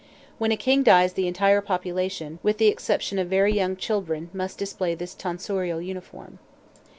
When a king dies the entire population, with the exception of very young children, must display this tonsorial uniform.